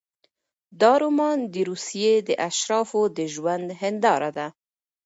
دا رومان د روسیې د اشرافو د ژوند هینداره ده.